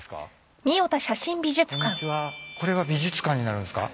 これが美術館になるんすか？